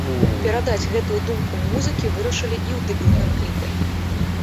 Перадаць гэтую думку музыкі вырашылі і ў дэбютным кліпе.